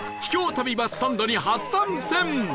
旅バスサンドに初参戦！